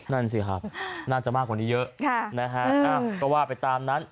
นั่นสิครับน่าจะมากกว่านี้เยอะนะฮะก็ว่าไปตามนั้น